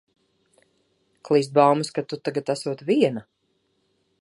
Klīst baumas, ka tu tagad esot viena.